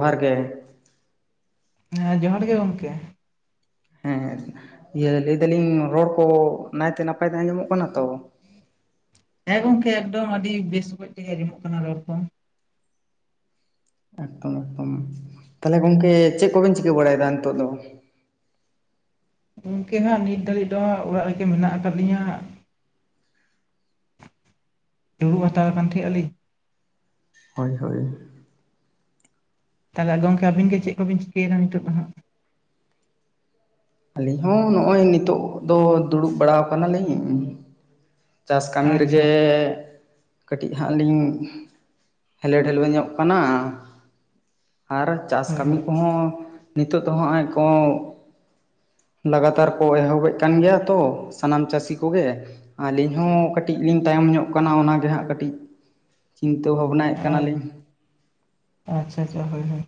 ᱡᱚᱦᱟᱨ ᱜᱮ, ᱦᱮᱸ ᱡᱚᱦᱟᱨ ᱜᱮ ᱜᱚᱢᱠᱮ᱾ ᱦᱮᱸ ᱤᱭᱟᱹ ᱞᱟᱹᱭ ᱫᱟᱹᱞᱤᱧ ᱨᱚᱲ ᱠᱚ ᱱᱟᱭᱛᱮ ᱱᱟᱯᱟᱭ ᱛᱮ ᱟᱸᱡᱚᱢᱚᱜ ᱠᱟᱱᱟ ᱛᱚ? ᱦᱮᱸ ᱜᱚᱝᱠᱮ ᱮᱠᱫᱚᱢ ᱟᱹᱰᱤ ᱵᱮᱥ ᱚᱠᱚᱡ ᱛᱮᱜᱮ ᱟᱸᱡᱚᱢᱚᱜ ᱠᱟᱱᱟ ᱨᱚᱲ ᱠᱚ᱾ ᱮᱠᱫᱚᱢ ᱮᱠᱫᱚᱢ ᱛᱟᱦᱚᱞᱮ ᱜᱚᱝᱠᱮ ᱪᱮᱫ ᱠᱚᱵᱮᱱ ᱪᱤᱠᱟᱹ ᱵᱟᱲᱟᱭᱮᱫᱟ ᱱᱤᱛᱚᱜ ᱫᱚ? ᱜᱚᱝᱠᱮ ᱦᱟᱸᱜ ᱱᱤᱛ ᱫᱷᱟᱹᱨᱤᱡ ᱫᱚ ᱚᱲᱟᱜ ᱨᱮᱜᱮ ᱢᱮᱱᱟᱜ ᱟᱠᱟᱫ ᱞᱤᱧᱟᱹ, ᱫᱩᱲᱩᱵ ᱦᱟᱛᱟᱲ ᱟᱠᱟᱱ ᱛᱟᱦᱮᱸᱜ ᱟᱹᱞᱤᱧ᱾ ᱦᱳᱭ ᱦᱳᱭ ᱦᱳᱭ ᱾ ᱛᱟᱦᱚᱞᱮ ᱜᱚᱢᱠᱮ ᱟᱵᱤᱱ ᱜᱮ ᱪᱮᱫ ᱠᱚᱵᱤᱱ ᱪᱤᱠᱟᱹᱭᱫᱟ ᱱᱤᱛᱚᱜ ᱫᱚ ᱦᱟᱜᱸ? ᱟᱹᱞᱤᱧ ᱦᱚᱸ ᱱᱚᱜᱼᱚᱭ ᱱᱤᱛᱚᱜ ᱫᱚ ᱫᱩᱲᱩᱵ ᱵᱟᱲᱟ ᱠᱟᱱᱟᱞᱤᱧ᱾ ᱪᱟᱥ ᱠᱟᱹᱢᱤ ᱟᱪᱪᱷᱟ ᱨᱮᱜᱮ ᱟᱪᱪᱷᱟ ᱠᱟᱹᱴᱤᱡ ᱦᱟᱸᱜ ᱞᱤᱧ ᱦᱮᱞᱮ ᱰᱷᱮᱞᱳ ᱧᱚᱜ ᱟᱠᱟᱱᱟ ᱟᱨ ᱪᱟᱥ ᱦᱳᱭ ᱠᱟᱹᱢᱤ ᱦᱳᱭ ᱠᱚᱦᱚᱸ ᱱᱤᱛᱚᱜ ᱫᱚ ᱦᱚᱸᱜᱼᱚᱭ ᱠᱚ ᱞᱟᱜᱟᱛᱟᱨ ᱠᱚ ᱮᱦᱚᱵᱮᱫ ᱠᱟᱱ ᱜᱮᱭᱟ ᱛᱚ ᱥᱟᱱᱟᱢ ᱪᱟᱹᱥᱤ ᱠᱚᱜᱮ᱾ ᱟᱹᱞᱤᱧ ᱦᱚᱸ ᱠᱟᱹᱴᱤᱡ ᱞᱤᱧ ᱛᱟᱭᱚᱢ ᱧᱚᱜ ᱠᱟᱱᱟ ᱚᱱᱟ ᱜᱮ ᱦᱟᱸᱜ ᱠᱟᱹᱴᱤᱡ, ᱪᱤᱱᱛᱟᱹ ᱵᱷᱟᱵᱱᱟᱭᱮᱫ ᱠᱟᱱᱟᱞᱤᱧ᱾ ᱟᱪᱪᱷᱟ ᱟᱪᱪᱷᱟ ᱦᱳᱭ ᱦᱳᱭ᱾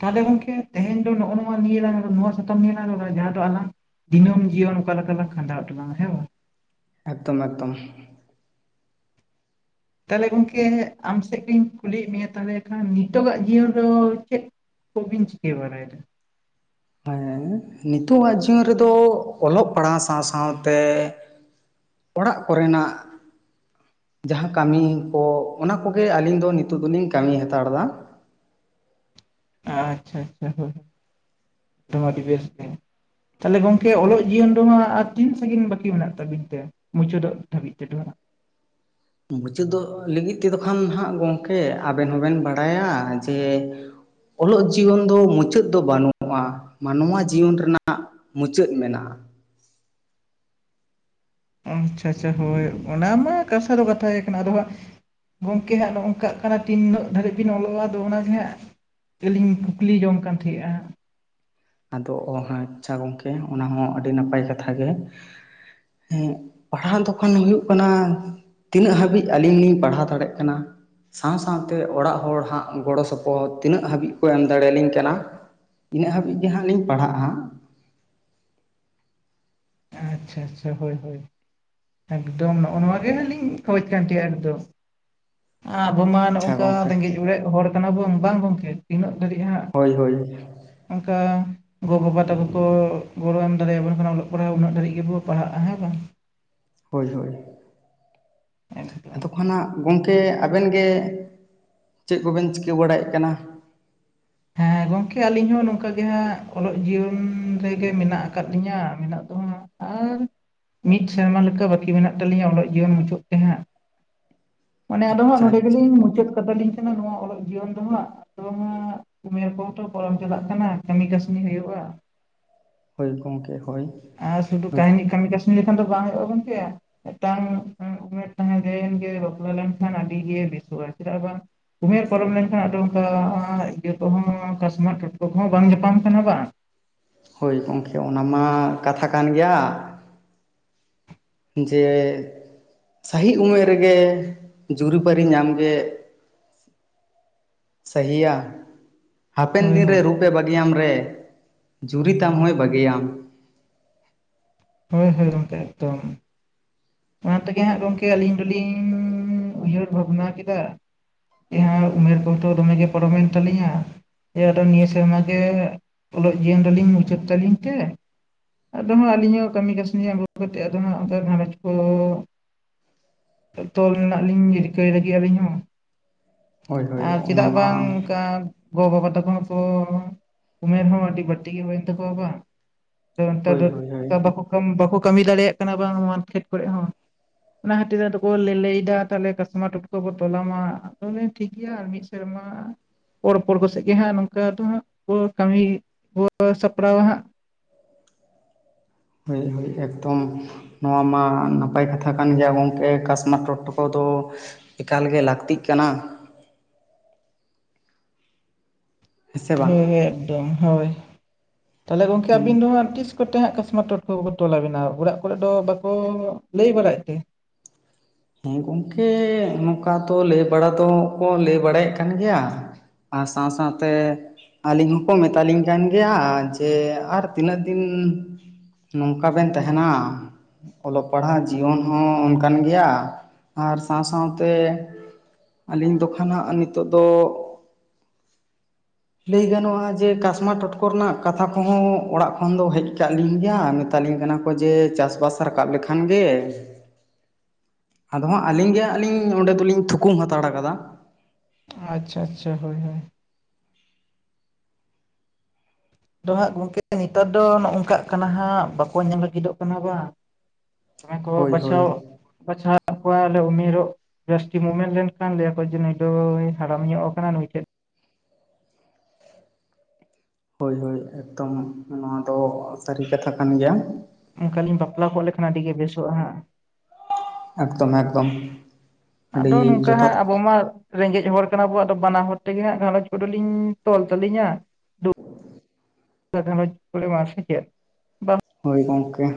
ᱛᱟᱦᱚᱞᱮ ᱜᱚᱝᱠᱮ ᱛᱮᱦᱮᱧ ᱫᱚ ᱱᱚᱜᱼᱚ ᱱᱚᱣᱟ ᱱᱤᱭᱟᱹ ᱞᱟᱝ ᱱᱚᱣᱟ ᱥᱟᱛᱟᱢ ᱱᱤᱭᱟᱹ ᱞᱟᱝ ᱡᱟᱦᱟᱸ ᱫᱚ ᱟᱞᱟᱝ ᱫᱤᱹᱢ ᱡᱤᱭᱚᱱ ᱚᱠᱟ ᱞᱮᱠᱟ ᱞᱟᱝ ᱠᱷᱟᱸᱰᱟᱣ ᱮᱜ ᱛᱟᱞᱟᱝ-ᱟ ᱦᱮᱸ ᱵᱟᱝ? ᱮᱠᱫᱚᱢ ᱮᱠᱫᱚᱢ ᱛᱟᱦᱚᱞᱮ ᱜᱚᱝᱠᱮ ᱟᱢ ᱥᱮᱫ ᱜᱮᱧ ᱠᱩᱞᱤᱭᱮᱫ ᱢᱮᱭᱟ ᱛᱟᱦᱚᱞᱮ ᱠᱷᱟᱱ ᱱᱤᱛᱚᱜᱟᱜ ᱡᱤᱭᱚᱱ ᱨᱮᱫᱚ ᱪᱮᱫ? ᱠᱚᱵᱤᱱ ᱪᱤᱠ ᱵᱟᱨᱟᱭ ᱫᱟ? ᱦᱮᱱ ᱱᱤᱛᱚᱜ ᱟᱜ ᱡᱤᱭᱚᱱ ᱨᱮᱫᱚ ᱚᱞᱚᱜ ᱯᱟᱲᱦᱟᱣ ᱥᱟᱶ ᱥᱟᱶᱛᱮ ᱚᱲᱟᱜ ᱠᱚᱨᱮᱱᱟᱜ ᱡᱟᱦᱟᱸ ᱠᱟᱹᱢᱤ ᱠᱚ ᱚᱱᱟ ᱠᱚᱜᱮ ᱟᱹᱞᱤᱧ ᱫᱚ ᱱᱤᱛᱚᱜ ᱫᱚᱞᱤᱧ ᱠᱟᱹᱢᱤ ᱦᱟᱛᱟᱲ ᱫᱟ᱾ ᱟᱪᱪᱷᱟ ᱪᱷᱟ ᱦᱳᱭ ᱟᱹᱰᱤ ᱵᱮᱥ ᱯᱮ ᱛᱟᱦᱚᱞᱮ ᱜᱚᱝᱠᱮ ᱚᱞᱚᱜ ᱡᱤᱭᱚᱱ ᱫᱚ ᱦᱟᱜ ᱟᱨ ᱛᱤᱱ ᱥᱟᱜᱤᱧ ᱵᱟᱠᱤ ᱢᱮᱱᱟᱜ ᱛᱟᱵᱤᱱ ᱛᱮ? ᱢᱩᱪᱟᱹᱫᱚᱜ ᱫᱷᱟᱹᱵᱤᱡ ᱛᱮᱫᱚ ᱦᱟᱜ? ᱢᱩᱪᱟᱹᱫᱚᱜ ᱞᱟᱹᱜᱤᱫ ᱛᱮᱫᱚ ᱠᱷᱟᱱ ᱦᱟᱜᱸ ᱜᱚᱝᱠᱮ ᱟᱵᱮᱱ ᱦᱚᱸᱵᱮᱱ ᱵᱟᱲᱟᱭᱟ ᱡᱮ- ᱚᱞᱚᱜ ᱡᱤᱭᱚᱱ ᱫᱚ ᱢᱩᱪᱟᱹᱫ ᱫᱚ ᱵᱟᱹᱱᱩᱜᱼᱟ ᱢᱟᱱᱣᱟ ᱡᱤᱭᱚᱱ ᱨᱮᱱᱟᱜ ᱢᱩᱪᱟᱹᱫ ᱢᱮᱱᱟᱜᱼᱟ᱾ ᱟᱪᱪᱷᱟ ᱪᱷᱟ ᱦᱳᱭ ᱚᱱᱟ ᱢᱟ ᱠᱟᱛᱷᱟ ᱫᱚ ᱠᱟᱛᱷᱟ ᱜᱮ ᱠᱟᱱᱟ ᱟᱫᱚ ᱦᱟᱸᱜ᱾ ᱜᱚᱝᱠᱮ ᱦᱟᱸᱜ ᱱᱚ ᱱᱚᱝᱠᱟᱜ ᱠᱟᱱᱟ ᱛᱤᱱᱟᱹᱜ ᱫᱷᱟᱹᱨᱤᱡ ᱵᱤᱱ ᱚᱞᱚᱜᱼᱟ ᱟᱫᱚ ᱚᱱᱟᱜᱮ ᱦᱟᱸᱜ ᱟᱹᱞᱤᱧ ᱠᱩᱠᱞᱤ ᱡᱚᱢ ᱠᱟᱱ ᱛᱟᱦᱮᱸᱜᱼᱟ? ᱟᱫᱚ ᱚ ᱟᱪᱪᱷᱟ ᱜᱚᱝᱠᱮ ᱚᱱᱟ ᱦᱚᱸ ᱟᱹᱰᱤ ᱱᱟᱯᱟᱭ ᱠᱟᱛᱷᱟ ᱜᱮ᱾ ᱦᱩᱸ ᱯᱟᱲᱦᱟᱜ ᱫᱚᱠᱷᱚᱱ ᱦᱩᱭᱩᱜ ᱠᱟᱱᱟ᱾ ᱛᱤᱱᱟᱹᱜ ᱫᱦᱟᱵᱤᱡ ᱟᱞᱤᱧ ᱠ ᱦᱟᱹᱵᱤᱡ ᱟᱞᱤᱧ ᱞᱤᱧ ᱯᱟᱲᱦᱟᱣ ᱫᱟᱲᱭᱟᱜ ᱠᱟᱱᱟ᱾ ᱥᱟᱶ ᱥᱟᱶᱛᱮ ᱚᱲᱟᱜ ᱦᱚᱲ ᱦᱟᱸᱜ ᱜᱚᱲᱚ ᱥᱚᱯᱚᱦᱚᱫ ᱛᱤᱱᱟᱹᱜ ᱦᱟᱹᱵᱤᱡ ᱠᱚ ᱮᱢ ᱫᱟᱲᱮᱭᱟᱞᱤᱧ ᱠᱟᱱᱟ᱾ ᱤᱱᱟᱹᱜ ᱦᱟᱹᱵᱤᱡ ᱜᱮ ᱦᱟᱸᱜ ᱞᱤᱧ ᱯᱟᱲᱦᱟᱜᱼᱟ᱾ ᱟᱪᱪᱷᱟ ᱟᱪᱪᱷᱟ ᱦᱳᱭ ᱦᱳᱭ ᱮᱠᱫᱚᱢ ᱱᱚᱜ-ᱟ ᱱᱚᱣᱟ ᱜᱮ ᱦᱟᱸᱜ ᱞᱤᱧ ᱠᱷᱚᱡ ᱠᱟᱱ ᱛᱟᱦᱮᱸᱫ-ᱟ ᱮᱠᱫᱚᱢ ᱟᱵᱚ ᱢᱟ ᱱᱚᱜ ᱟᱪᱪᱷᱟ ᱚᱝᱠᱟ ᱜᱚᱝᱠᱮ ᱨᱮᱸᱜᱮᱡ ᱚᱨᱮᱡ ᱦᱚᱲ ᱠᱟᱱᱟ ᱵᱚᱱ ᱵᱟᱝ ᱜᱚᱝᱠᱮ ᱛᱤᱱᱟᱹᱜ ᱫᱷᱟᱹᱨᱤᱡ ᱦᱟᱸᱜ ᱦᱳᱭ ᱦᱳᱭ ᱚᱱᱠᱟ ᱜᱚ ᱵᱟᱵᱟ ᱛᱟᱠᱚ ᱜᱚ ᱜᱚᱲᱚ ᱮᱢ ᱫᱟᱲᱮ ᱟᱵᱚᱱ ᱚᱞᱚᱜ ᱯᱟᱲᱦᱟᱜ ᱩᱱᱟᱹᱜ ᱫᱷᱟᱹᱨᱤᱡ ᱜᱮᱵᱚ ᱯᱟᱲᱦᱟᱜ-ᱟ ᱦᱮᱸ ᱵᱟᱝ ᱦᱳᱭ ᱦᱳᱭ ᱮᱠᱫᱚᱢ ᱟᱫᱚ ᱠᱷᱟᱱᱟᱜ ᱜᱚᱝᱠᱮ ᱟᱵᱮᱱ ᱜᱮ ᱪᱮᱫ ᱠᱚᱵᱮᱱ ᱪᱤᱠᱟᱹ ᱵᱟᱲᱟᱭᱮᱫ ᱠᱟᱱᱟ? ᱦᱮᱸ ᱜᱚᱝᱠᱮ ᱟᱞᱤᱧ ᱦᱚᱸ ᱱᱚᱝᱠᱟ ᱜᱮ ᱦᱟᱸᱜ ᱚᱞᱚᱜ ᱡᱤᱭᱚᱱ ᱨᱮᱜᱮ ᱢᱮᱱᱟᱜ ᱟᱠᱟᱫ ᱞᱤᱧᱟᱹ ᱢᱮᱱᱟᱜ ᱫᱚ ᱦᱟᱸᱜ ᱟᱨ ᱢᱤᱫ ᱥᱮᱨᱢᱟ ᱞᱮᱠᱟ ᱵᱟᱹᱠᱤ ᱢᱮᱱᱟᱜ ᱛᱟᱹᱞᱤᱧᱟ ᱚᱞᱚᱜ ᱡᱤᱭᱚᱱ ᱢᱩᱪᱟᱹᱫ ᱛᱮ ᱦᱟᱸᱜ ᱢᱟᱱᱮ ᱟᱫᱚ ᱦᱟᱸᱜ ᱟᱪᱪᱷᱟ ᱱᱚᱰᱮ ᱟᱪᱪᱷᱟ ᱜᱮᱞᱤᱧ ᱢᱩᱪᱟᱹᱫ ᱠᱟᱛᱟᱞᱤᱧ ᱠᱟᱱᱟ ᱱᱚᱣᱟ ᱚᱞᱚᱜ ᱡᱤᱭᱚᱱ ᱫᱚ ᱦᱟᱸᱜ ᱟᱫᱚ ᱦᱟᱸᱜ ᱩᱢᱮᱨ ᱠᱚᱦᱚᱸ ᱛᱚ ᱯᱟᱨᱚᱢ ᱪᱟᱞᱟᱜ ᱠᱟᱱᱟ ᱠᱟᱹᱢᱤ ᱠᱟᱹᱥᱱᱤ ᱦᱩᱭᱩᱜ-ᱟ ᱦᱳᱭ ᱜᱚᱝᱠᱮ ᱦᱳᱭ ᱟᱨ ᱥᱩᱫᱩ ᱠᱟᱹᱦᱱᱤ ᱠᱟᱹᱢᱤ ᱠᱟᱹᱥᱱᱤ ᱞᱮᱠᱷᱟᱱ ᱫᱚ ᱵᱟᱝ ᱦᱩᱭᱩᱜ-ᱟ ᱜᱚᱝᱠᱮ ᱢᱤᱫᱴᱟᱝ ᱩᱢᱮᱨ ᱛᱟᱦᱮᱸ ᱜᱮ ᱵᱟᱯᱞᱟ ᱞᱮᱱᱠᱷᱟᱱ ᱟᱹᱰᱤᱜᱮ ᱵᱮᱥᱚᱜ-ᱟ ᱪᱮᱫᱟᱜ ᱵᱟᱝ ᱩᱢᱮᱨ ᱯᱟᱨᱚᱢ ᱞᱮᱱᱠᱷᱟᱱ ᱟᱫᱚ ᱚᱱᱠᱟ ᱤᱭᱟᱹ ᱠᱚᱦᱚᱸ ᱠᱟᱥᱢᱟᱨ ᱴᱚᱴᱠᱚ ᱠᱚᱦᱚᱸ ᱵᱟᱝ ᱧᱟᱯᱟᱢ ᱠᱟᱱᱟ ᱵᱟᱝ ᱦᱳᱭ ᱜᱚᱝᱠᱮ ᱚᱱᱟ ᱢᱟ ᱠᱟᱛᱷᱟ ᱠᱟᱱ ᱜᱮᱭᱟ ᱡᱮ ᱥᱟᱦᱤ ᱩᱢᱮᱨ ᱨᱮᱜᱮ ᱡᱩᱨᱤᱯᱟᱨᱤ ᱧᱟᱢᱜᱮ ᱥᱟᱦᱤᱭᱟ ᱦᱟᱯᱮᱱ ᱦᱳᱭ ᱫᱤᱱᱨᱮ ᱦᱳᱭ ᱨᱩᱯ ᱯᱮ ᱵᱟᱜᱤᱭᱟᱢ ᱨᱮ ᱡᱩᱨᱤ ᱛᱟᱢ ᱦᱚᱸᱭ ᱵᱟᱜᱤᱭᱟᱢ ᱦᱳᱭ ᱦᱳᱭ ᱜᱚᱝᱠᱮ ᱮᱠᱫᱚᱢ ᱚᱱᱟ ᱛᱮᱜᱮ ᱦᱟᱸᱜ ᱜᱚᱝᱠᱮ ᱟᱹᱞᱤᱧ ᱫᱚᱞᱤᱧ ᱩᱭᱦᱟᱹᱨ ᱵᱷᱟᱵᱽᱱᱟ ᱠᱮᱫᱟ ᱠᱮ ᱦᱟᱨ ᱩᱢᱮᱨ ᱵᱚᱞᱛᱮᱫᱚ ᱫᱚᱢᱮ ᱜᱮ ᱯᱟᱨᱚᱢᱮᱱ ᱛᱟᱞᱤᱧᱟ ᱟᱫᱚ ᱱᱤᱭᱟᱹ ᱥᱮᱨᱢᱟ ᱜᱮ ᱚᱞᱚᱜ ᱡᱤᱭᱚᱱ ᱫᱚ ᱞᱤᱧ ᱢᱩᱪᱟᱹᱫ ᱛᱟᱹᱞᱤᱧ ᱛᱮ ᱟᱫᱚ ᱦᱟᱸᱜ ᱟᱹᱞᱤᱧ ᱦᱚᱸ ᱠᱟᱹᱢᱤ ᱠᱟᱹᱥᱱᱤ ᱟᱹᱜᱩ ᱠᱟᱛᱮᱫ ᱟᱫᱚ ᱦᱟᱸᱜ ᱜᱷᱟᱨᱚᱸᱡᱽ ᱛᱚ ᱛᱚᱞ ᱢᱮᱱᱟᱜ ᱞᱤᱧ ᱨᱤᱠᱟᱹᱭ ᱞᱟᱹᱜᱤᱫ ᱟᱹᱞᱤᱧ ᱦᱚᱸ ᱾ ᱦᱳᱭ ᱦᱳᱭ ᱟᱨ ᱚᱱᱟ ᱪᱮᱫᱟᱜ ᱢᱟ ᱵᱟᱝ ᱚᱝᱠᱟ ᱜᱚ ᱵᱟᱵᱟ ᱛᱟᱠᱚ ᱦᱚᱸ ᱠᱚ ᱩᱢᱮᱨ ᱦᱚᱸ ᱟᱹᱰᱤ ᱵᱟᱹᱲᱛᱤ ᱜᱮ ᱦᱩᱭᱮᱱ ᱛᱟᱠᱚᱣᱟ ᱵᱟᱝ, ᱟᱫᱚ ᱱᱮᱛᱟᱨ ᱦᱳᱭ ᱫᱚ ᱦᱳᱭ ᱦᱳᱭ ᱵᱟᱠᱚ ᱵᱟᱠᱚ ᱠᱟᱹᱢᱤ ᱫᱟᱲᱮᱭᱟᱜ ᱠᱟᱱᱟ ᱵᱟᱝ ᱱᱚᱣᱟ ᱠᱷᱮᱛ ᱠᱚᱨᱮᱜ ᱦᱚᱸ᱾ ᱚᱱᱟ ᱠᱷᱟᱹᱛᱤᱨ ᱟᱫᱚ ᱠᱚ ᱞᱟᱹ ᱞᱟᱹᱭᱫᱟ ᱛᱟᱦᱞᱮ ᱠᱟᱥᱢᱟᱨ ᱴᱚᱴᱠᱚ ᱵᱚ ᱛᱚᱞᱟᱢᱟ᱾ ᱚᱱᱮ ᱴᱷᱤᱠ ᱜᱮᱭᱟ ᱟᱨ ᱢᱤᱫ ᱥᱮᱨᱢᱟ ᱯᱚᱲ ᱯᱚᱲ ᱠᱚ ᱥᱮᱫ ᱜᱮ ᱦᱟᱸᱜ ᱱᱚᱝᱠᱟ ᱫᱚ ᱦᱟᱸᱜ ᱠᱚ ᱠᱟᱹᱢᱤ ᱠᱚ ᱥᱟᱯᱲᱟᱣᱟ ᱦᱟᱸᱜ, ᱦᱳᱭ ᱦᱳᱭ ᱮᱠᱫᱚᱢ, ᱱᱚᱣᱟ ᱢᱟ ᱱᱟᱯᱟᱭ ᱠᱟᱛᱷᱟ ᱠᱟᱱ ᱜᱮᱭᱟ ᱜᱚᱝᱠᱮ ᱠᱟᱥᱢᱟᱨ ᱴᱚᱴᱠᱚ ᱫᱚ, ᱮᱠᱟᱞᱜᱮ ᱞᱟᱹᱠᱛᱤᱜ ᱠᱟᱱᱟ᱾ ᱥᱮ ᱵᱟᱝ ᱦᱮᱸ ᱦᱮᱸ ᱮᱠᱫᱚᱢ ᱦᱳᱭ ᱛᱟᱦᱞᱮ ᱜᱚᱝᱠᱮ ᱮᱠᱫᱚᱢ ᱟᱹᱵᱤᱱ ᱫᱚ ᱦᱟᱸᱜ ᱛᱤᱥ ᱠᱚᱛᱮ ᱦᱟᱸᱜ ᱠᱟᱥᱢᱟᱨ ᱴᱚᱴᱠᱚ ᱠᱚ ᱛᱚᱞ ᱟᱵᱤᱱᱟ ᱩᱲᱟᱜ ᱠᱚᱨᱮ ᱫᱚ ᱵᱟᱠᱚ ᱞᱟᱹᱭ ᱵᱟᱲᱟᱭᱮᱫ ᱛᱮ? ᱦᱮᱸ ᱜᱚᱝᱠᱮ ᱱᱚᱝᱠᱟ ᱛᱚ ᱞᱟᱹᱭ ᱵᱟᱲᱟ ᱫᱚ ᱠᱚ ᱞᱟᱹᱭ ᱵᱟᱲᱟᱭᱮᱫ ᱠᱟᱱ ᱜᱮᱭᱟ, ᱟᱨ ᱥᱟᱶ ᱥᱟᱶᱛᱮ ᱟᱹᱞᱤᱧ ᱦᱚᱸᱠᱚ ᱢᱮᱛᱟᱞᱤᱧ ᱠᱟᱱ ᱜᱮᱭᱟ ᱡᱮ ᱟᱨ ᱛᱤᱱᱟᱹᱜ ᱫᱤᱱ ᱱᱚᱝᱠᱟ ᱵᱮᱱ ᱛᱟᱦᱮᱸᱱᱟ ᱚᱞᱚᱜ ᱯᱟᱲᱦᱟᱜ ᱡᱤᱭᱚᱱ ᱦᱚᱸ ᱚᱱᱠᱟᱱ ᱜᱮᱭᱟ, ᱟᱨ ᱥᱟᱶ ᱥᱟᱶᱛᱮ ᱟᱹᱞᱤᱧ ᱫᱚ ᱠᱷᱟᱱ ᱦᱟᱸᱜ ᱱᱤᱛᱚᱜ ᱫᱚ [inaudible] ᱞᱟᱹᱭ ᱜᱟᱱᱚᱜ-ᱟ ᱡᱮ ᱠᱟᱥᱢᱟᱨ ᱴᱚᱴᱠᱚ ᱨᱮᱱᱟᱜ ᱠᱟᱛᱷᱟ ᱠᱚᱦᱚᱸ ᱚᱲᱟᱜ ᱠᱷᱚᱱ ᱫᱚ ᱦᱮᱡ ᱠᱟᱜ ᱞᱤᱧ ᱜᱮᱭᱟ, ᱢᱮᱛᱟᱞᱤᱧ ᱠᱟᱱᱟ ᱠᱚ ᱡᱮ ᱪᱟᱥ ᱵᱟᱥ ᱨᱟᱠᱟᱵ ᱞᱮᱠᱷᱟᱱ ᱜᱮ ᱟᱫᱚ ᱦᱟᱸᱜ ᱟᱹᱞᱤᱧ ᱜᱮ ᱦᱟᱸᱜ ᱞᱤᱧ ᱚᱸᱰᱮ ᱫᱚᱞᱤᱧ ᱛᱷᱩᱠᱩᱢ ᱦᱟᱛᱟᱲ ᱟᱠᱟᱫᱟ᱾ ᱟᱪᱪᱷᱟ ᱟᱪᱪᱷᱟ ᱦᱳᱭ ᱦᱳᱭ᱾ ᱟᱫᱚ ᱦᱟᱸᱜ ᱜᱚᱝᱠᱮ ᱱᱮᱛᱟᱨ ᱫᱚ ᱱᱚᱝᱠᱟᱜ ᱠᱟᱱᱟ ᱦᱟᱸᱜ ᱵᱟᱠᱚ ᱧᱮᱞ ᱞᱟᱹᱜᱤᱫᱚᱜ ᱠᱟᱱᱟ ᱵᱟᱝ, ᱚᱝᱠᱟ ᱠᱚ ᱦᱳᱭ ᱦᱳᱭ ᱵᱟᱪᱷᱟᱣ ᱵᱟᱪᱷᱟᱣ ᱢᱮᱱᱟᱜ ᱠᱚᱣᱟ ᱟᱫᱚ ᱩᱢᱮᱨᱚᱜ ᱡᱟᱹᱥᱛᱤ ᱩᱢᱮᱨ ᱞᱮᱱᱠᱷᱟᱱ ᱞᱟᱹᱭᱟᱠᱚ ᱡᱮ ᱱᱩᱭ ᱫᱚᱭ ᱦᱟᱲᱟᱢ ᱧᱚᱜ ᱟᱠᱟᱱᱟ ᱱᱩᱭ ᱴᱷᱮᱱ ᱦᱳᱭ ᱦᱳᱭ ᱮᱠᱫᱚᱢ ᱱᱚᱣᱟ ᱫᱚ ᱥᱟᱹᱨᱤ ᱠᱟᱱ ᱜᱮᱭᱟ᱾ ᱚᱱᱠᱟ ᱞᱤᱧ ᱵᱟᱯᱞᱟ ᱠᱚᱜ ᱞᱮᱠᱷᱟᱱ ᱟᱹᱰᱤ ᱜᱮ ᱵᱮᱥᱚᱜᱼᱟ ᱦᱟᱸᱜ, ᱮᱠᱫᱚᱢ ᱮᱠᱫᱚᱢ᱾ ᱟᱹᱰᱤ ᱟᱫᱚ ᱱᱚᱝᱠᱟ ᱡᱚᱛᱷᱟᱛ ᱦᱟᱸᱜ ᱟᱵᱚ ᱢᱟ ᱨᱮᱸᱜᱮᱡ ᱦᱚᱲ ᱠᱟᱱᱟᱵᱚ ᱟᱫᱚ ᱵᱟᱱᱟ ᱦᱚᱲ ᱛᱮᱜᱮ ᱦᱟᱜ ᱜᱷᱟᱹᱨᱚᱧᱡᱽ ᱠᱚ ᱞᱤᱧ ᱛᱚᱞ ᱛᱟᱹᱞᱤᱧᱟ ᱾ [unintelligible] ᱦᱚᱭ ᱜᱚᱢᱠᱮ,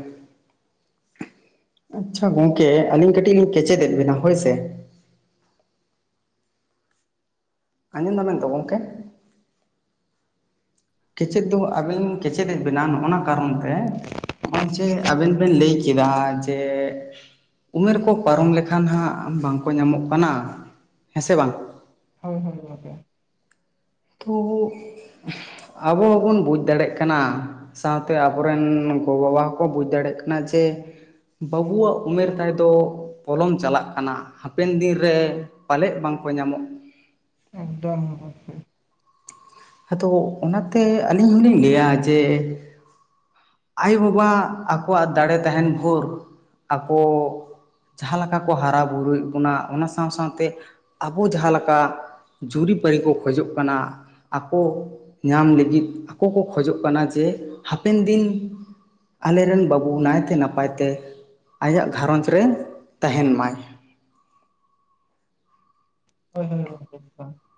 ᱟᱪᱪᱷᱟ ᱜᱚᱝᱠᱮ ᱟᱹᱞᱤᱧ ᱠᱟᱹᱴᱤᱡ ᱞᱤᱧ ᱠᱮᱪᱮᱫᱮᱫ ᱵᱮᱱᱟ ᱦᱳᱭ ᱥᱮ? ᱟᱸᱡᱚᱢᱫᱟ ᱵᱮᱱ ᱛᱚ ᱜᱚᱢᱠᱮ? ᱠᱮᱪᱮᱫ ᱫᱚ ᱟᱹᱵᱤᱱ ᱠᱮᱪᱮᱫ ᱮ ᱵᱮᱱᱟᱣ ᱱᱚᱜᱼᱱᱟ ᱠᱟᱨᱚᱱ ᱛᱮ ᱱᱚᱜᱼᱚᱭ ᱡᱮ ᱟᱵᱮᱱ ᱵᱮᱱ ᱞᱟᱹᱭ ᱠᱮᱫᱟ ᱡᱮ ᱩᱢᱮᱨ ᱠᱚ ᱯᱟᱨᱚᱢ ᱞᱮᱠᱷᱟᱱ ᱦᱟᱸᱜ ᱵᱟᱝᱠᱚ ᱧᱟᱢᱚᱜ ᱠᱟᱱᱟ ᱦᱮᱸ ᱥᱮ ᱵᱟᱝ? ᱦᱳᱭ ᱦᱳᱭ ᱜᱚᱝᱠᱮ, ᱛᱚ ᱟᱵᱚ ᱦᱚᱸᱵᱚᱱ ᱵᱩᱡᱽ ᱫᱟᱲᱮᱮᱜ ᱠᱟᱱᱟ, ᱥᱟᱶᱛᱮ ᱟᱵᱚᱨᱮᱱ ᱜᱚᱵᱟᱵᱟ ᱦᱚᱸᱠᱚ ᱵᱩᱡᱽ ᱫᱟᱲᱮᱜ ᱠᱟᱱᱟ ᱡᱮ ᱵᱟᱹᱵᱩᱣᱟᱜ ᱩᱢᱮᱨ ᱛᱟᱭ ᱫᱚ ᱯᱚᱞᱚᱢ ᱪᱟᱞᱟᱜ ᱠᱟᱱᱟ ᱦᱟᱯᱮᱱ ᱫᱤᱱ ᱨᱮ ᱯᱟᱞᱮᱫ ᱵᱟᱝᱠᱚ ᱧᱟᱢᱚᱜ, ᱮᱠᱫᱚᱢ [unintelligible] ᱟᱫᱚ ᱚᱱᱟᱛᱮ ᱟᱹᱞᱤᱧ ᱦᱚᱞᱤᱧ ᱞᱟᱹᱭᱟ ᱡᱮ, ᱟᱭᱩᱼᱵᱟᱵᱟ ᱟᱠᱚᱣᱟᱜ ᱫᱟᱲᱮ ᱛᱟᱦᱮᱱ ᱵᱷᱳᱨ ᱟᱠᱚ ᱡᱟᱦᱟᱸ ᱞᱮᱠᱟ ᱠᱚ ᱦᱟᱨᱟ ᱵᱩᱨᱩᱭᱮᱫ ᱵᱚᱱᱟ ᱚᱱᱟ ᱥᱟᱶ ᱥᱟᱶᱛᱮ ᱟᱵᱚ ᱡᱟᱦᱟᱸ ᱞᱮᱠᱟ ᱡᱩᱨᱤᱼᱯᱟᱨᱤ ᱠᱚ ᱠᱷᱚᱡᱚᱜ ᱠᱟᱱᱟ ᱟᱠᱚ ᱧᱟᱢ ᱞᱟᱹᱜᱤᱫ ᱟᱠᱚ ᱠᱚ ᱠᱷᱚᱡᱚᱜ ᱠᱟᱱᱟ ᱡᱮ ᱦᱟᱯᱮᱱ ᱫᱤᱱ ᱟᱞᱮᱨᱮᱱ ᱵᱟᱹᱵᱩ ᱱᱟᱭᱛᱮ ᱱᱟᱯᱟᱭ ᱛᱮ ᱟᱭᱟᱜ ᱜᱷᱟᱨᱚᱸᱡᱽ ᱨᱮ ᱛᱟᱦᱮᱱ ᱢᱟᱭ᱾ [unintelligible] [inaudible]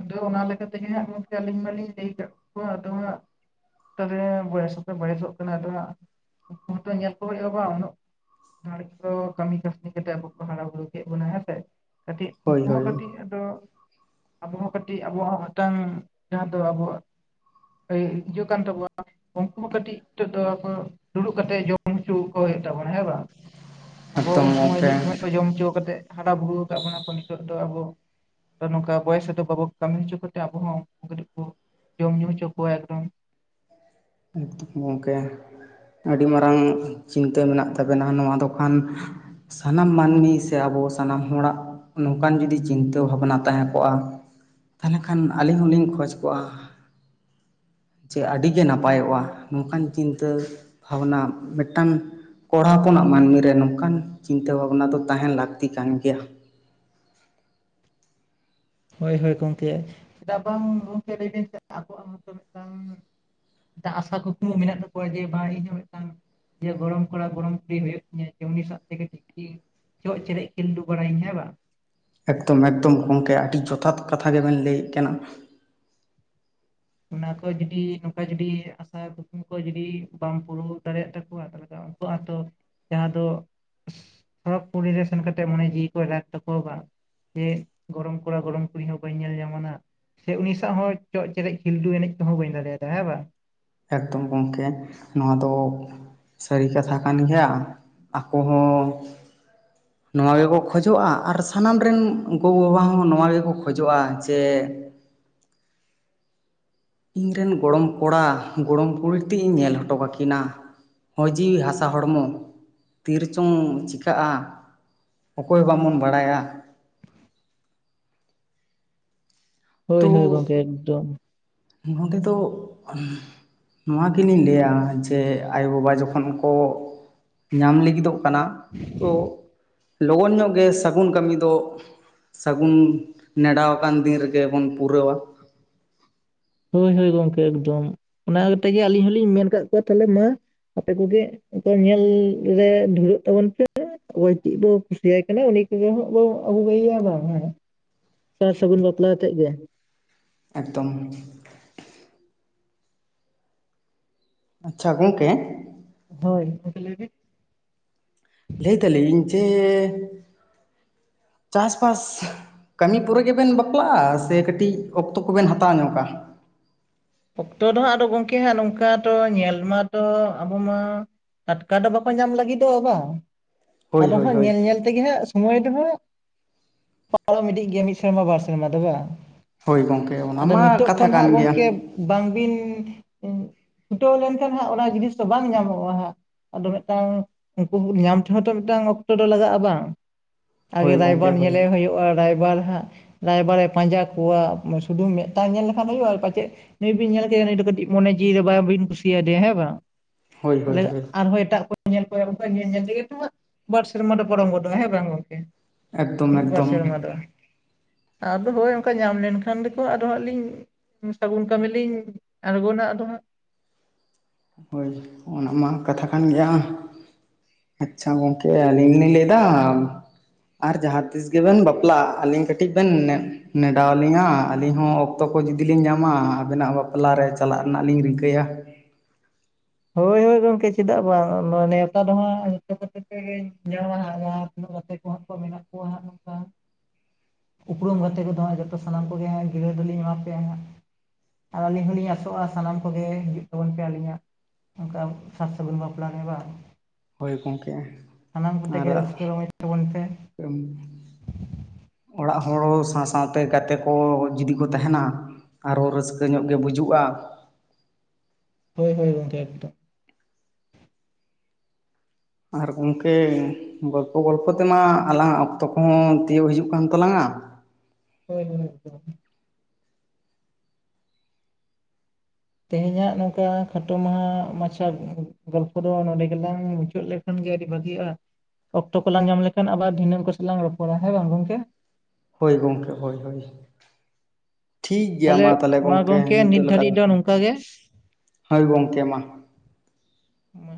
ᱟᱫᱚ ᱚᱱᱟ ᱞᱮᱠᱟᱛᱮᱜᱮ ᱟᱫᱚ ᱜᱚᱝᱠᱮ ᱟᱹᱞᱤᱧ ᱢᱟᱞᱤᱧ ᱞᱟᱹᱭ ᱟᱠᱟᱫ ᱠᱚᱣᱟ ᱟᱫᱚ ᱦᱟᱸᱜ ᱛᱚᱵᱮ ᱵᱚᱭᱮᱥ ᱦᱚᱸ ᱠᱚ ᱵᱟᱭᱮᱥ-ᱚᱜ ᱠᱟᱱᱟ ᱟᱫᱚ ᱦᱟᱸᱜ ᱩᱱᱠᱩ ᱦᱚᱸᱛᱚ ᱧᱮᱞ ᱠᱚ ᱦᱩᱭᱩᱜ-ᱟ ᱵᱟᱝ ᱩᱱᱟᱹᱜ ᱦᱚᱲ ᱠᱚ ᱠᱟᱹᱢᱤ ᱠᱟᱹᱥᱱᱤ ᱠᱟᱛᱮᱮᱫ ᱟᱵᱚ ᱠᱚ ᱦᱟᱨᱟ ᱵᱩᱨᱩ ᱠᱮᱫ ᱵᱚᱱᱟ ᱦᱮᱸ ᱥᱮ ᱠᱟᱹᱴᱤᱡ ᱢᱤᱫ ᱦᱳᱭ ᱫᱷᱟᱣ ᱦᱳᱭ ᱠᱟᱹᱴᱤᱡ ᱟᱫᱚ ᱟᱵᱚ ᱦᱚᱸ ᱠᱟᱹᱴᱤᱡ ᱟᱵᱚ ᱦᱚᱸ ᱦᱟᱛᱟᱝ ᱡᱟᱦᱟᱸ ᱫᱚ ᱟᱵᱚᱣᱟᱜ ᱤᱡᱩᱜ ᱠᱟᱱ ᱛᱟᱵᱚᱱᱟ᱿ ᱩᱱᱠᱩ ᱦᱚᱸ ᱠᱟᱹᱴᱤᱡ ᱱᱤᱛᱚᱜ ᱫᱚ ᱟᱫᱚ ᱫᱩᱲᱩᱵ ᱠᱟᱛᱮᱮᱫ ᱡᱚᱢ ᱦᱚᱪᱚ ᱠᱚ ᱛᱵᱚᱱᱟ ᱦᱮᱸ ᱵᱟᱝ ᱟᱵᱚ ᱮᱠᱫᱚᱢ ᱩᱱ ᱥᱚᱢᱚᱭ ᱜᱚᱢᱠᱮ ᱢᱤᱫ ᱥᱚᱢᱚᱭ ᱠᱚ ᱡᱚᱢ ᱦᱚᱪᱚ ᱠᱟᱛᱮᱜ ᱦᱟᱸᱰ ᱵᱩᱨᱩ ᱟᱠᱟᱫ ᱵᱚᱱᱟ ᱠᱚ ᱱᱤᱛᱚᱜ ᱫᱚ ᱟᱵᱚ ᱱᱚᱝᱠᱟ ᱵᱚᱭᱮᱥ ᱵᱟᱵᱚ ᱠᱟᱹᱢᱤ ᱦᱚᱪᱚ ᱠᱟᱛᱮ ᱟᱵᱚ ᱦᱚᱸᱮᱱ ᱡᱚᱢ ᱧᱩ ᱦᱚᱪᱚ ᱠᱚᱣᱟ ᱮᱠᱚᱢ ᱢᱩᱠᱛᱩᱠ ᱜᱚᱝᱠᱮ ᱟᱹᱰᱤ ᱢᱟᱨᱟᱝ ᱪᱤᱱᱛᱟᱹ ᱢᱮᱱᱟᱜ ᱛᱟᱵᱮᱱᱟ ᱱᱚᱣᱟ ᱫᱚ ᱠᱷᱟᱱ ᱥᱟᱱᱟᱢ ᱢᱟᱹᱱᱢᱤ ᱥᱮ ᱟᱵᱚ ᱥᱟᱱᱟᱢ ᱦᱚᱲᱟᱜ ᱱᱚᱝᱠᱟᱱ ᱡᱩᱫᱤ ᱪᱤᱱᱛᱟᱹ ᱵᱷᱟᱵᱱᱟ ᱛᱟᱦᱮᱸ ᱠᱚᱜ-ᱟ ᱛᱟᱦᱚᱞᱮ ᱠᱷᱟᱱ ᱟᱹᱞᱤᱧ ᱦᱚᱞᱤᱧ ᱠᱷᱡᱽ ᱠᱚᱜ-ᱟ ᱡᱮ ᱟᱹᱰᱤᱜᱮ ᱱᱟᱯᱟᱭ ᱱᱟᱯᱟᱭᱚᱜ-ᱟ ᱱᱚᱝᱠᱟᱱ ᱪᱤᱱᱛᱟᱹ ᱵᱷᱟᱵᱽᱱᱟ ᱢᱤᱫᱴᱟᱝ ᱠᱚᱲᱟ ᱦᱚᱯᱚᱱᱟᱜ ᱢᱟᱹᱱᱢᱤ ᱨᱮ ᱱᱚᱝᱠᱟᱱ ᱪᱤᱱᱛᱟᱹ ᱵᱷᱟᱵᱱᱟ ᱫᱚ ᱛᱟᱦᱮᱱ ᱞᱟᱹᱠᱛᱤ ᱠᱟᱱ ᱜᱮᱭᱟ᱾ ᱦᱳᱭ ᱦᱳᱭ ᱜᱚᱢᱠᱮ ᱵᱟᱝ ᱜᱚᱝᱠᱮ ᱞᱟᱹᱭ ᱫᱤᱧᱪ ᱟᱵᱚᱣᱟᱜ ᱦᱚᱸᱛᱚ ᱢᱤᱫᱴᱟᱝ ᱟᱥᱟ ᱠᱩᱠᱢᱩ ᱢᱮᱱᱟᱜ ᱛᱟᱠᱚᱣᱟ ᱡᱮ ᱵᱟᱝ ᱤᱧᱦ ᱦᱚᱸ ᱢᱤᱫᱴᱟᱝ ᱡᱮ ᱜᱚᱲᱚᱢ ᱠᱚᱲᱟ ᱜᱚᱲᱚᱢ ᱠᱩᱲᱤ ᱦᱩᱭᱩᱜ ᱛᱤᱧᱟᱹ ᱡᱮ ᱩᱱᱤ ᱥᱟᱶ ᱛᱮ ᱜᱮ ᱪᱤᱠᱤ ᱪᱚᱜ ᱪᱮᱨᱮᱡ ᱠᱷᱤᱞᱰᱩ ᱵᱟᱲᱟᱭᱟᱹᱧ ᱦᱮᱸ ᱵᱟᱝ ᱿ ᱮᱠᱫᱚᱢ ᱮᱠᱫᱚᱢ ᱜᱚᱝᱠᱮ ᱟᱹᱰᱤ ᱡᱚᱛᱷᱟᱛ ᱠᱟᱛᱷᱟ ᱜᱮᱵᱮᱱ ᱞᱟᱹᱭᱮᱜ ᱠᱟᱱᱟ ᱾ ᱚᱱᱟ ᱠᱚ ᱡᱩᱫᱤ ᱱᱚᱝᱠᱟ ᱡᱩᱫᱤ ᱟᱥᱟ ᱠᱩᱠᱢᱩ ᱠᱚ ᱡᱩᱫᱤ ᱵᱟᱢ ᱯᱩᱨᱟᱹᱣ ᱫᱟᱲᱮᱭᱟᱜ ᱛᱟᱠᱚᱣᱟ ᱛᱟᱦᱞ ᱩᱝᱠᱩ ᱟᱛᱚ ᱛᱟᱸᱦᱮᱸ ᱫᱚ ᱥᱚᱨᱚᱠ ᱯᱩᱨᱤ ᱨᱮ ᱥᱮᱱ ᱠᱟᱛᱮᱡ ᱢᱚᱱᱮ ᱡᱤᱣᱤ ᱠᱚᱭ ᱨᱟᱠ ᱛᱟᱠᱚᱣᱟ ᱵᱟ ᱡᱮ ᱜᱚᱲᱚᱢ ᱠᱚᱲᱟ ᱜᱚᱲᱚᱢ ᱠᱩᱲᱤ ᱦᱚᱸ ᱵᱟᱹᱧ ᱧᱮᱞ ᱧᱟᱢᱟᱱᱟᱜ ᱥᱮ ᱩᱱᱤ ᱥᱟᱶ ᱦᱚᱸ ᱪᱚᱜ ᱪᱮᱨᱮᱡ ᱠᱷᱤᱞᱰᱩ ᱮᱱᱮᱡ ᱛᱮᱦᱚᱸ ᱵᱟᱹᱧ ᱫᱟᱲᱮᱭᱟᱫᱟ ᱦᱮᱸ ᱵᱟ ᱮᱠᱫᱚᱢ ᱜᱚᱝᱠᱮ ᱱᱚᱣᱟ ᱫᱚ? ᱥᱟᱹᱨᱤ ᱠᱟᱛᱷᱟ ᱠᱟᱱ ᱜᱮᱭᱟ ᱟᱠᱚ ᱦᱚᱸ [unintelligible] ᱱᱚᱶᱟ ᱜᱮᱠᱚ ᱠᱷᱚᱡᱚᱜ-ᱟ ᱟᱨ ᱥᱟᱱᱟᱢ ᱨᱮᱱ ᱜᱚᱜᱚ-ᱵᱟᱵᱟ ᱦᱚᱸ ᱱᱚᱶᱟ ᱜᱮᱠᱚ ᱠᱷᱚᱡᱚᱜ-ᱟ ᱡᱮ ᱤᱧ ᱨᱮᱱ ᱜᱚᱲᱚᱢ ᱠᱚᱲᱟ ᱜᱚᱲᱚᱢ ᱠᱩᱲᱤ ᱢᱤᱛ ᱛᱤ ᱧᱮᱞ ᱚᱴᱚ ᱠᱟᱹᱠᱤᱱᱟ᱾ ᱦᱚᱭ ᱡᱤᱣᱤ ᱦᱟᱥᱟ ᱦᱚᱲᱢᱚ ᱛᱤᱨᱮ ᱪᱚᱝ ᱪᱤᱠᱟᱜ-ᱟ? ᱚᱠᱚᱭ ᱵᱟᱝ ᱵᱚᱱ ᱵᱟᱲᱟᱭᱟ? ᱦᱚᱭ ᱦᱚᱭ ᱜᱚᱝᱠᱮ ᱮᱠᱫᱚᱢ ᱾ ᱱᱚᱸᱰᱮ ᱫᱚ ᱱᱚᱶᱟ ᱞᱤᱱ ᱤᱧ ᱞᱟᱹᱭᱟ ᱡᱮ ᱟᱭᱳ-ᱵᱟᱵᱟ ᱡᱚᱠᱷᱚᱱ ᱠᱚ ᱧᱟᱢ ᱞᱟᱹᱜᱤᱫᱚᱜ ᱠᱟᱱᱟ ᱛᱚ ᱞᱚᱜᱚᱱ ᱧᱚᱜ ᱜᱮ ᱥᱟᱹᱜᱩᱱ ᱠᱟᱹᱢᱤ ᱫᱚ ᱥᱟᱹᱜᱩᱱ ᱱᱮᱰᱟᱣ ᱟᱠᱟᱱ ᱫᱤᱱ ᱨᱮᱜᱮ ᱵᱚᱱ ᱯᱩᱨᱟᱹᱣᱟ᱾ ᱦᱚᱭ ᱦᱚᱭ ᱜᱚᱝᱠᱮ ᱮᱠᱫᱚᱢ ᱚᱱᱟ ᱠᱟᱛᱮ ᱜᱮ ᱟᱹᱞᱤᱧ ᱦᱚᱞᱤᱧ ᱢᱮᱱ ᱠᱟᱫ ᱠᱚᱣᱟ ᱛᱟᱦᱚᱞᱮ ᱢᱟ ᱟᱯᱮ ᱠᱚᱜᱮ ᱛᱚ ᱧᱮᱞ ᱨᱮ ᱫᱷᱩᱨᱟᱹᱜ ᱛᱟᱵᱚᱱ ᱯᱮ ᱚᱠᱚᱭ ᱪᱮᱫ ᱵᱚ ᱠᱩᱥᱤᱭᱟᱭ ᱠᱟᱱᱟ ᱩᱱᱤ ᱠᱚᱜᱮ ᱦᱟᱸᱜ ᱵᱚ ᱟᱹᱜᱩᱟᱭᱮᱭᱟ ᱵᱟᱝ ᱦᱮᱸ ᱥᱟᱨ ᱥᱟᱹᱜᱩᱱ ᱵᱟᱯᱞᱟ ᱛᱮᱜ ᱜᱮ ᱮᱠᱫᱚᱢ ᱟᱪᱪᱷᱟ ᱜᱚᱝᱠᱮ ᱦᱳᱭ ᱜᱚᱝᱠᱮ ᱞᱟᱹᱭᱵᱤᱱ ᱞᱟᱹᱭ ᱫᱟᱹᱞᱤᱧ ᱡᱮ ᱪᱟᱥᱵᱟᱥ ᱠᱟᱢᱤ ᱯᱚᱨᱮ ᱜᱮᱵᱮᱱ ᱵᱟᱯᱞᱟᱜ-ᱟ ᱥᱮ ᱠᱟᱹᱴᱤᱡ ᱚᱠᱛᱚ ᱠᱚᱵᱮᱱ ᱦᱟᱛᱟᱣ ᱧᱚᱜᱟ? ᱚᱠᱛᱚ ᱫᱚ ᱦᱟᱸᱜ ᱟᱫᱚ ᱜᱚᱝᱠᱮ ᱦᱟᱸᱜ ᱱᱚᱝᱠᱟ ᱛᱚ ᱧᱮᱞ ᱢᱟᱛᱚ ᱟᱵᱚ ᱢᱟ ᱴᱟᱴᱠᱟ ᱫᱚ ᱵᱟᱠᱚ ᱧᱟᱢ ᱞᱟᱹᱜᱤᱫᱚᱜ-ᱟ ᱵᱟᱝ ᱦᱳᱭ ᱟᱫᱚ ᱦᱳᱭ ᱦᱟᱸᱜ ᱦᱳᱭ ᱧᱮᱞ ᱧᱮᱞ ᱛᱮᱜᱮ ᱦᱟᱸᱜ ᱥᱚᱢᱚᱭ ᱫᱚ ᱦᱟᱸᱜ ᱯᱟᱨᱚᱢ ᱤᱫᱤᱡ ᱜᱮᱭᱟ ᱢᱤᱫ ᱥᱮᱨᱢᱟ ᱵᱟᱨ ᱥᱮᱨᱢᱟ ᱫᱚ ᱵᱟᱝ ᱦᱳᱭ ᱜᱚᱝᱠᱮ ᱚᱱᱟ ᱟᱫᱚ ᱢᱟ ᱱᱤᱛᱚᱜ ᱠᱟᱛᱷᱟ ᱠᱷᱚᱱ ᱦᱟᱸᱜ ᱠᱟᱱ ᱜᱮᱭᱟ ᱜᱚᱝᱠᱮ ᱵᱟᱝᱵᱤᱱ ᱩᱸᱜ ᱪᱷᱩᱴᱟᱹᱣ ᱞᱮᱱᱠᱷᱟᱱ ᱦᱟᱸᱜ ᱚᱱᱟ ᱡᱤᱱᱤᱥ ᱫᱚ ᱵᱟᱝ ᱧᱟᱢᱚᱜ-ᱟ ᱦᱟᱸᱜ ᱟᱫᱚ ᱢᱤᱫᱴᱟᱝ ᱩᱝᱠᱩ ᱦᱩᱸ ᱧᱟᱢ ᱛᱮᱦᱚᱸ ᱛᱚ ᱢᱤᱫᱴᱟᱝ ᱚᱠᱛᱚ ᱫᱚ ᱞᱟᱜᱟᱜ-ᱟ ᱵᱟᱝ ᱟᱜᱮ ᱦᱳᱭ ᱨᱟᱭᱵᱟᱨ ᱜᱚᱝᱠᱮ ᱦᱳᱭ ᱧᱮᱞᱮ ᱦᱩᱭᱩᱜ-ᱟ ᱨᱟᱭᱵᱟᱨ ᱦᱟᱸᱜ ᱨᱟᱭᱵᱟᱨᱮ ᱯᱟᱸᱡᱟ ᱠᱚᱣᱟ ᱩᱸ ᱥᱩᱫᱩ ᱢᱤᱫᱴᱟᱝ ᱧᱮᱞ ᱞᱮᱠᱷᱟᱱ ᱦᱩᱭᱩᱜ-ᱟ ᱯᱟᱪᱮᱜ ᱱᱩᱭ ᱵᱤᱱ ᱧᱮᱞ ᱠᱮᱫᱮᱭᱟ ᱱᱩᱭ ᱫᱚ ᱠᱟᱹᱴᱤᱡ ᱢᱚᱱᱮ ᱡᱤᱣᱤ ᱨᱮ ᱵᱟᱝ ᱵᱤᱱ ᱠᱩᱥᱤᱭᱟᱭ ᱫᱮᱭᱟ ᱦᱮᱸ ᱵᱟᱝ ᱦᱳᱭ ᱦᱳᱭ ᱛᱟᱦᱞᱮ ᱦᱳᱭ ᱟᱨᱦᱚ ᱮᱴᱟᱜ ᱠᱚ ᱧᱮᱞ ᱠᱚ ᱦᱩᱭᱩᱜ-ᱟ ᱚᱝᱠᱟ ᱧᱮᱞ ᱧᱮᱞ ᱛᱮᱜᱮ ᱛᱚ ᱦᱟᱸᱜ ᱵᱟᱨ ᱥᱮᱨᱢᱟ ᱫᱚ ᱯᱟᱨᱚᱢ ᱜᱚᱫᱚᱜ- ᱟ ᱦᱮᱸ ᱵᱟᱝ ᱜᱚᱝᱠᱮ ᱮᱠᱫᱚᱢ ᱢᱤᱫ ᱵᱟᱨ ᱮᱠᱫᱚᱢ ᱥᱮᱨᱢᱟ ᱫᱚ ᱟᱫᱚ ᱦᱳᱭ ᱚᱝᱠᱟ ᱧᱟᱢ ᱞᱮᱱᱠᱷᱟᱱ ᱫᱚᱠᱚ ᱟᱫᱚ ᱦᱟᱸᱜ ᱞᱤᱧ ᱥᱟᱹᱜᱩᱱ ᱠᱟᱹᱢᱤ ᱞᱤᱧ ᱟᱬᱜᱚᱱᱟ ᱟᱫᱚ ᱦᱟᱸᱜ ᱦᱳᱭ ᱚᱱᱟ ᱢᱟ ᱠᱟᱛᱷᱟ ᱠᱟᱱ ᱜᱮᱭᱟ᱾ ᱟᱪᱪᱷᱟ ᱜᱚᱝᱠᱮ ᱟᱹᱞᱤᱧ ᱞᱤᱧ ᱞᱟᱹᱭ ᱫᱟ ᱟᱨ ᱡᱟᱦᱟᱸ ᱛᱤᱥ ᱜᱮᱵᱮᱱ ᱵᱟᱯᱞᱟᱜ-ᱟ ᱟᱹᱞᱤᱧ ᱠᱟᱹᱴᱤᱡ ᱵᱮᱱ ᱱᱮᱜ ᱱᱮᱰᱟᱣᱟᱞᱤᱧᱟ ᱟᱹᱞᱤᱧ ᱦᱚᱸ ᱚᱠᱛᱚ ᱠᱚ ᱡᱩᱫᱤ ᱞᱤᱧ ᱧᱟᱢᱟ ᱟᱵᱮᱱᱟᱜ ᱵᱟᱯᱞᱟ ᱨᱮ ᱪᱟᱞᱟᱜ ᱨᱮᱱᱟᱜ ᱞᱤᱧ ᱨᱤᱠᱟᱹᱭᱟ᱾ ᱦᱳᱭ ᱦᱳᱭ ᱜᱚᱝᱠᱮ ᱪᱮᱫᱟᱜ ᱵᱟᱝ ᱱᱚᱶᱟ ᱱᱮᱶᱛᱟ ᱫᱚ ᱦᱟᱸᱜ ᱡᱚᱛᱚ ᱠᱚᱛᱮ ᱯᱮ ᱧᱟᱢᱟ ᱦᱟᱸᱜ ᱜᱟᱛᱮ ᱠᱚᱦᱚ ᱠᱚ ᱢᱮᱱᱟᱜ ᱠᱚᱣᱟ ᱦᱟᱸᱜ ᱱᱚᱝᱠᱟ ᱩᱯᱨᱩᱢ ᱜᱟᱛᱮ ᱠᱚᱫᱚ ᱦᱟᱸᱜ ᱡᱚᱛᱚ ᱥᱟᱱᱟᱢ ᱠᱚᱜᱮ ᱦᱟᱸᱜ ᱜᱤᱨᱟᱹ ᱫᱚᱞᱤᱧ ᱮᱢᱟ ᱯᱮᱭᱟ ᱦᱟᱸᱜ ᱾ ᱟᱨ ᱟᱹᱞᱤᱧ ᱦᱚᱞᱤᱧ ᱟᱥᱚᱜᱼᱟ ᱥᱟᱱᱟᱢ ᱠᱚᱜᱮ ᱦᱤᱡᱩᱜ ᱛᱟᱵᱚᱱ ᱯᱮ ᱟᱞᱤᱧᱟᱜ ᱚᱝᱠᱟ ᱥᱟᱨ ᱥᱟᱹᱜᱩᱱ ᱵᱟᱯᱞᱟ ᱨᱮ ᱵᱟᱝ ᱦᱳᱭ ᱜᱚᱝᱠᱮ ᱥᱟᱱᱟᱢ ᱠᱚ ᱛᱮ ᱜᱮ ᱨᱟᱹᱥᱠᱟᱹ ᱨᱚᱢᱚᱪ ᱛᱟᱵᱚᱱᱟ ᱯᱮ ᱮᱢ ᱚᱲᱟᱜ ᱦᱚᱲ ᱦᱚ ᱥᱟᱶ ᱥᱟᱶᱛᱮ ᱜᱟᱛᱮ ᱠᱚ ᱡᱩᱫᱤ ᱠᱚ ᱛᱟᱦᱮᱱᱟ ᱟᱨᱦᱚ ᱨᱟᱹᱥᱠᱟᱹ ᱧᱚᱜ ᱜᱮ ᱵᱩᱡᱩᱜᱼᱟ ᱾ ᱦᱳᱭ ᱦᱳᱭ ᱜᱚᱢᱠᱮ ᱮᱠᱫᱚᱢ, ᱟᱨ ᱜᱚᱢᱠᱮ ᱜᱚᱞᱯᱚ ᱜᱚᱞᱯᱚ ᱛᱮᱢᱟ ᱟᱞᱟᱝᱟᱜ ᱚᱠᱛᱚ ᱠᱚᱦᱚᱸ ᱛᱤᱭᱳᱜ ᱦᱤᱡᱩᱜ ᱠᱟᱱ ᱛᱟᱞᱟᱝᱟ ᱦᱳᱭ ᱦᱳᱭ ᱜᱚᱢᱠᱮ ᱛᱮᱦᱮᱧᱟᱜ ᱱᱚᱝᱠᱟ ᱠᱷᱟᱴᱚ ᱢᱟᱦᱟ ᱢᱟᱪᱷᱟ ᱜᱚᱞᱯᱚ ᱫᱚ ᱱᱚᱰᱮ ᱜᱮᱞᱟᱝ ᱢᱩᱪᱟᱹᱫ ᱞᱮᱫ ᱠᱷᱟᱱ ᱜᱮ ᱟᱹᱰᱤ ᱵᱷᱟᱜᱤᱜᱼᱟ ᱚᱠᱛᱚ ᱠᱚᱞᱟᱝ ᱧᱟᱢ ᱞᱮᱠᱷᱟᱱ ᱟᱵᱟᱨ ᱫᱷᱤᱱᱟᱹᱱ ᱠᱚᱥᱮ ᱞᱟᱝ ᱨᱚᱯᱚᱲᱟ ᱦᱮᱸ ᱵᱟᱝ ᱜᱚᱝᱠᱮ ᱦᱳᱭ ᱜᱚᱢᱠᱮ ᱦᱳᱭ ᱦᱳᱭ ᱴᱷᱤᱠ ᱜᱮᱭᱟ ᱛᱟᱦᱚᱞᱮ ᱢᱟ ᱛᱟᱦᱞᱮ ᱜᱚᱢᱠᱮ ᱜᱚᱝᱠᱮ ᱱᱤᱛ ᱱᱤᱛᱚᱜ ᱞᱮᱠᱟ ᱫᱷᱟᱹᱨᱤᱡ ᱫᱚ᱾ ᱱᱚᱝᱠᱟ ᱜᱮ ᱦᱳᱭ ᱜᱚᱢᱠᱮ ᱢᱟ᱾ ᱢᱟ